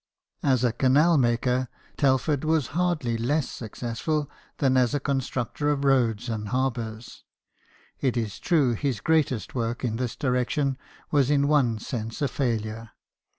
As a canal maker, Telford was hardly less successful than as a constructor of roads and harbours. It is true, his greatest work in this direction was in one sense a failure.